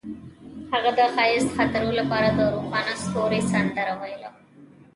هغې د ښایسته خاطرو لپاره د روښانه ستوري سندره ویله.